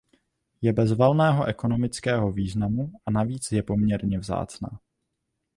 Je bez valného ekonomického významu a navíc je poměrně vzácná.